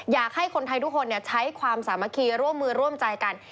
อยากให้คนไทยทุกคนใช้ความสามัคคีร่วมมือร่วมใจกัน